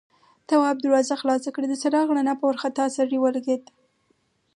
تواب دروازه خلاصه کړه، د څراغ رڼا په وارخطا سړي ولګېده.